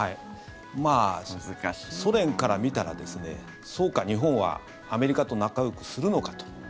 ソ連から見たらそうか、日本はアメリカと仲よくするのかと。